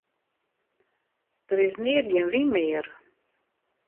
Der is neat gjin wyn mear.